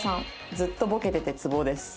「ずっとボケててツボです」。